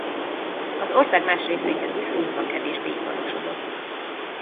Az ország más részeihez viszonyítva kevésbé iparosodott.